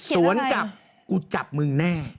สวนกับกูจับมึงแน่